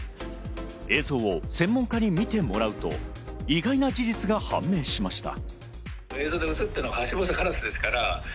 映像を専門家に見てもらうと意外な事実が判明しました。